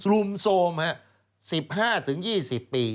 รุมโสมครับ๑๕๒๐ปี